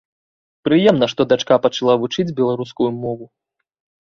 Прыемна, што дачка пачала вучыць беларускую мову.